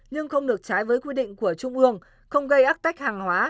nhưng không được trái với quy định của trung ương không gây ác tách hàng hóa